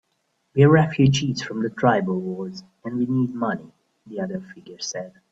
"We're refugees from the tribal wars, and we need money," the other figure said.